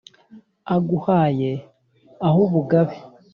aguhaye ah’ubugabe